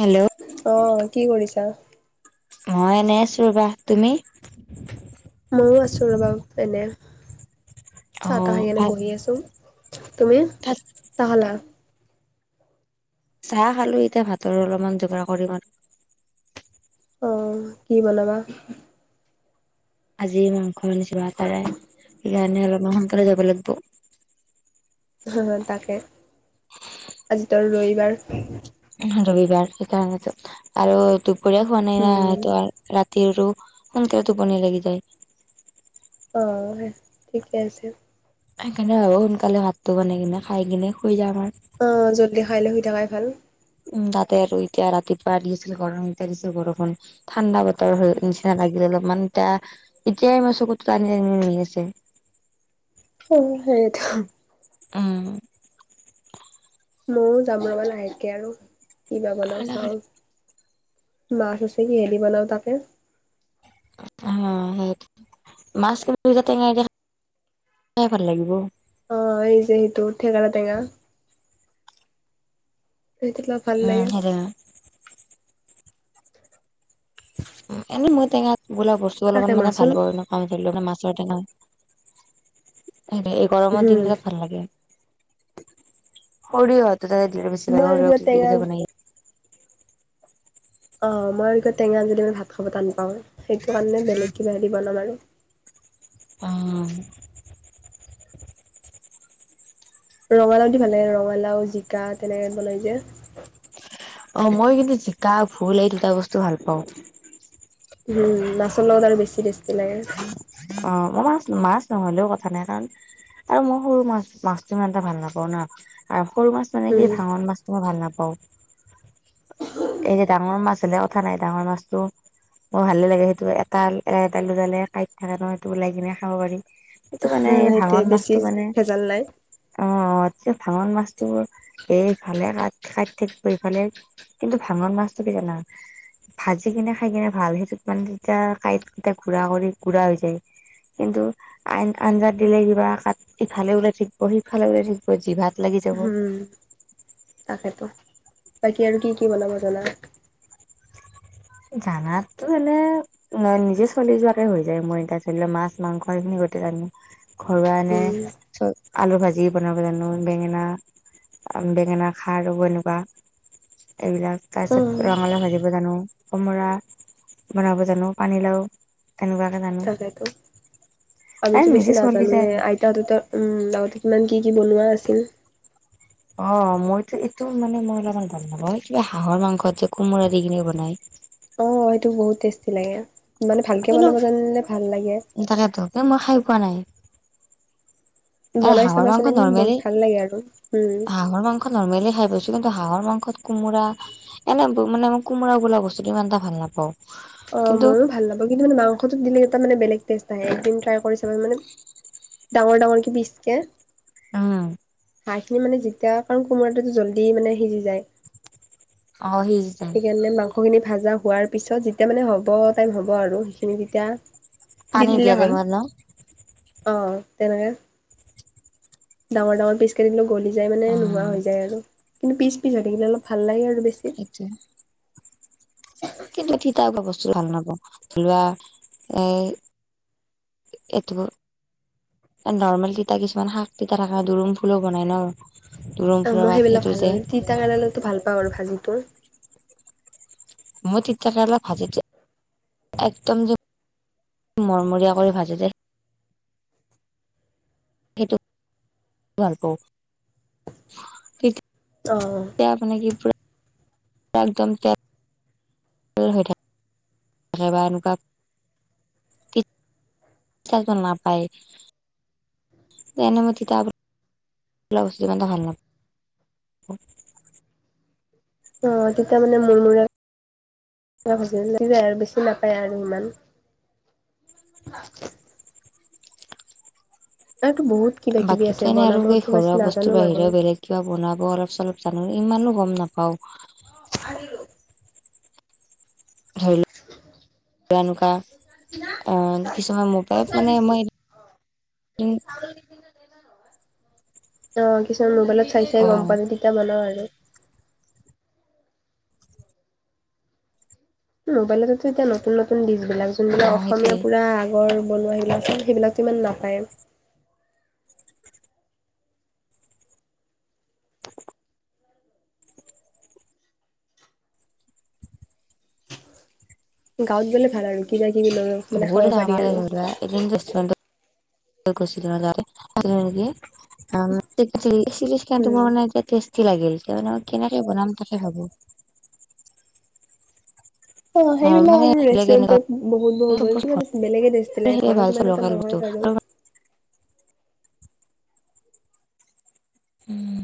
Hello অ কি কৰিছা? মই এনেই আছো ৰবা। তুমি? মইও আছো ৰবা এনে। চ অ তাহ খাইগিনে ভাত বহি আছো। তুমি ভাত চা খালা? চাহ খালো এতিয়া ভাতৰ অলপমান যোগাৰ কৰিম আৰু। অ কি বনাবা? আজি মাংস আনিছিলো আটাৰে সেইকাৰণে অলপমান সোনকালে যাব লাগব। হ তাকে, আজিটো ৰবিবাৰ। ৰবিবাৰ সেইকাৰণেতো আৰু দুপৰীয়া খোৱা নাই উম না ত ৰা [unintelligible] সোনকাল টোপনি লাগি যায়। অ ঠিকে আছে। সেইকাৰণে হাব সোনকালে ভাতটো বনাই কিনে খাই কিনে শুই যাম। আৰু অ জল্দি খাই লৈ শুই থাকাই ভাল। উম তাতে আৰু এতিয়া ৰাতিপুৱা দিছিল গৰম এতিয়া দিছে বৰষুন ঠাণ্ডা বতৰ। নিচিনা লাগিলে অলপমান। এতিয়া এতিয়াই মোৰ চকু টানি টানি নি আছে। অ সেইটো। অ ময়ও জামৰবা লাহেকে আৰু কিবা বনাওঁ চাওঁ। মাছ আছে কিহেদি বনাও তাকে অ সেইটো মাছ কিন্ত দুটা টেঙ দো। চাই ভাল লাগিব। অ এই যে এইটো ঠেঙাৰা টেঙা। সেইটো ভাল উম লাগে। সেইটো উ এনে মই টেঙা বোলা বস্তু অলপমান তাকে মানে ভাল মাছৰ নাপাওঁ তাতে আকৌ মাছ। সেই এই গৰমৰ দিন উম গিলাত ভাল লাগে। সৰিয়হতো তাতে দ বেছি ভাল মই আৰু সৰিয়হ কিবা টেঙা দিকেই বনাই। [unintelligible] অ মই ক টেঙা যদি ভাত খাব টান পাওঁ সেইটো কাৰণে বেলেগ কিবা দিৰি বনাম আৰু [unintelligible] অ ৰঙালাও দি ভাল লাগে ৰঙালাও জিকা তেনেক বনাই যে অ মই কিন্তু জিকা ভুল এই দুটা বস্তু ভাল পাওঁ। উম মাছৰ লগত আৰু বেছি টেষ্টি লাগে। অ মই মাছ মাছ নহলেও কথা নাই কাৰণ আৰু মই সৰু মাছ মাছটো ইমান এটা ভাল নাপাওঁ ন। আৰু সৰু মাছ মানে উম, কি ভাঙন মাছো মই ভাল নাপাওঁ। [unintelligible] এই যে ডাঙৰ মাছ হ'লে কথা নাই ডাঙৰ মাছতটো। ম ভালে লাগে সেইটো এটা এটা এটাডালে কাইত থাকে ন সেইটো ওলাই কিনে খাব পাৰি। সেইটো মানে এই সেইটোৱে ভাঙন বেছি মাছতটো মানে ভেজাল নাই। অ। ভাঙন মাছতটো সেফালে ক কা ইট থাকিব ইফালে কিন্তু ভাঙন মাছটো। ভাজি কিনে খাই কিনে ভাল সেইটোত মানে তেতিয়া কাইত ক গুৰা কৰি গুৰা হৈ যায়। কিন্তু আইন আঞ্জাত দিলে কিবা কাত ইফালে ওলাই থাকিব সিফালে উওলাই থাকিব যি ভাত উম তাকেইেতো বাকী আৰু কি কি বনাব জানা? জানাতো হলে নিজে চলি যোৱাকে হৈ যায় মই [unintelligible] মাছ মাংস এইখিনি। জো ঘৰুৱা এনে উম, চ আলু ভাজি বনাব জানো বেঙেনা। বেঙেনা খাৰ ৰব এনেকুৱা এইবিলাক তাৰ পিছত উম, ৰঙালাও ভাজিব জানো। কোমোৰা বনাব জানো পানীলাও। তেনেকুৱাকে জানো তাকেতো এ আমিতো বেছি নিজে চলি যায় নাজানোয়ে আৰু আইতা দুতা উম আগতে কিমান কি কি বনোৱা আছিল। অ মইতো এইটো মানে মই অলমান ভাল নাপাওঁ কিবা হাঁহৰ মাংস যে কোমোৰা দি কিনে বনাই। অ সেটো বহুত টেষ্টি লাগে। মানে ভালকে কিন্তু বনাব জানিলে ভাল লাগে। তাকেতো কিন্তু মই এ বনাই হাঁহৰ চাবাচোন মাংস একদম বহুত নৰ্মেলি ভাল লাগে আৰু উম। হাঁহৰ মাংস নৰ্মেলি খাই পাইছো কিন্তু হাঁহৰ মাংস। ত কোমোৰা এনে মানে মই কোমোৰা বোলা বস্তুতটো ইমান এটা ভাল নাপাওঁ। অ কিন্তু মইো ভাল লাগো কিন্তু মানে মাংসটো। দিলেটা মানে বেলেগ টেষ্ট আহে একদিন ট্ৰাই কৰি চাব মানে ডাঙৰ ডাঙৰ কি পিচ কে অ। হাঁহখিনি মানে যেতিয়া কাৰণ কোমোৰাটো জল্দি মানে সিজি যায় অ সিজি যায় সেইকাৰণে মাংসখিনি ভাজা হোৱাৰ পিছত যিত তেতিয়া মানে হ'ব টাইম হ'ব আৰু সেইখিনি তেতিয়া দি পানী দিলে দিয়া যায় হল ন অ তেনেকে ডাঙৰ ডাঙৰ পিচ কাটিলো গলি যায় মানে নোহোৱা উম হৈ যায় আৰু কিন্তু পিছি পিছ হৈথাকিলে অলপ ভাল লাগে আৰু বেছি। সেইটোয়ে কিন্তু তিতা হব বস্তু ভাল নাপাও লোৱা এই এথব নৰ্মেল তিতা কিছুমান শাক তিতা থাকা দুৰুন ফুলো বনাই ন দুৰুম অ ফুলৰ মই পাত সেইবিলাক সেইটো ভাল যে নাপাও তিতাকেৰেলা ভাল পাওঁ আৰু ভাজিটো মই তি্তাকেৰেলা ভাজিটো একদম যে মৰমৰীয়া কৰি ভাজি দে সেইটো ভাল পাওঁ অ'। তেতিয়া মানে কি পু একদম তে ভৈ থাক থাকে বা এনেকুৱা তিতা ভাল নাপায় [unintelligible] অ অ তেতিয়া মানে মোৰ মূৰে ল যায় আৰু বেছি নাপায় আৰু ইমান আ [unintelligible] বহুত কিবা কিবি বাকীতো আছে এনে আৰু এই বনাবতো বেছি ঘৰুৱা নাজানো বস্তুৰ বাৰু। বাহিৰেও বেলেগ কিবা বনাব অলপ চলপ জানো ইমানো গম নাপাওঁ ধৰি লও এনকা এনকা অহ কিছুমান মোৰ পৰাই মানে মই অহ কিছুমান মোবাইলত চাই চাই অ গম পালো তেতিয়া বনাও আৰু মোবাইলত তো এতিয়া নতুন নতুন দিচ বিলাক অ যোনবিলাক অসমীয়া সেইটোয়ে পুৰা ৰ বনোৱা সিবিলাক চ সেইবিলাকতো ইমান নাপায় এ [unintelligible] গাঁৱত গ'লে ভাল আৰু কিবা কিবি [unintelligible] [unintelligible] অ লৈ মানে [unintelligible] খাব চিৰিছলি তোমাৰ পাৰি আৰু উম। মানে টেষ্ট ষ্টি লাগিল ত মানে মই কেনেকে বনাম তাকে ভাবো অ নৰ্মেল সেইবিলাক মানে আৰু বেলেগ এনেকুৱা ৰেষ্টুৰেন্টত বহুত বহুত বহ কিবা বস্তু এটা বেলেগে টেষ্টি লাগে ভাল ঘৰত ইমান এটা লোকেল বস্তু নহয় বাৰু [inaudible] উম